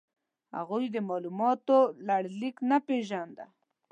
هغوی د مالوماتو لړلیک نه پېژانده.